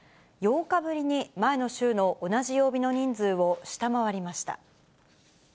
８日ぶりに前の週の同じ曜日の人数を下回りました。